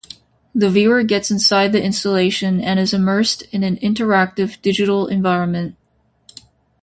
The viewer gets inside the installation and is immersed in an interactive digital environment.